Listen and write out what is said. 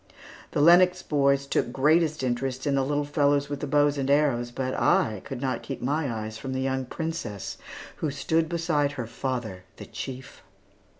The Lennox boys took greatest interest in the little fellows with the bows and arrows, but I could not keep my eyes from the young princess, who stood beside her father, the chief.